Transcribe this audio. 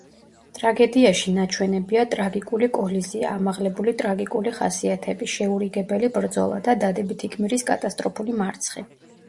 ტრაგედიაში ნაჩვენებია ტრაგიკული კოლიზია, ამაღლებული ტრაგიკული ხასიათები, შეურიგებელი ბრძოლა და დადებითი გმირის კატასტროფული მარცხი.